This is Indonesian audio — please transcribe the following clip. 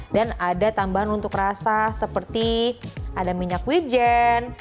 dan ada tambahan untuk rasa seperti ada minyak wijen